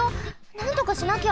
なんとかしなきゃ。